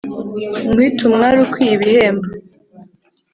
Nkwite umwali ukwiye ibihembo